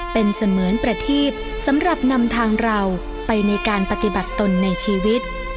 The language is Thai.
เป็นเสมือนประทีปสำหรับนำทางเราไปในการปฏิบัติตนในชีวิต